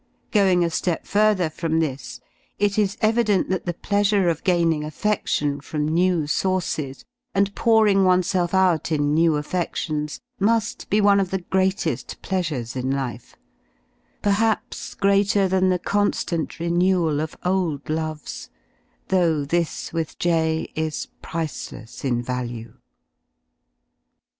Going a ^ep further from this it is evident that the pleasure of gaining affedlion from new sources, and pouring oneself out in new ^ affedlions mu^ be one of the greater pleasures in life; perhaps greater than the con^ant renewal of old loves, ^' "^h jiis with J..... is priceless in value.